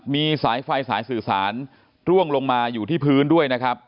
มีสายไฟสายสื่อสารร่วงลงมาอยู่ที่พื้นด้วยนะครับ